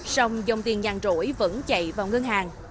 sông dòng tiền nhàn rỗi vẫn chạy vào ngân hàng